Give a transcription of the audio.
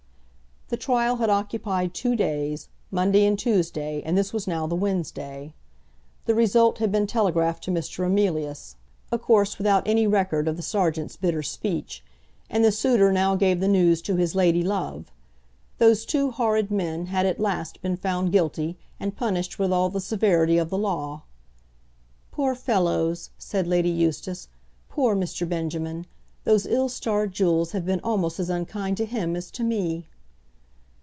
The trial had occupied two days, Monday and Tuesday, and this was now the Wednesday. The result had been telegraphed to Mr. Emilius, of course without any record of the serjeant's bitter speech, and the suitor now gave the news to his lady love. Those two horrid men had at last been found guilty, and punished with all the severity of the law. "Poor fellows," said Lady Eustace, "poor Mr. Benjamin! Those ill starred jewels have been almost as unkind to him as to me."